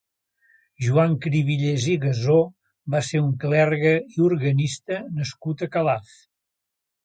Joan Cribillers i Gasó va ser un clergue i organista nascut a Calaf.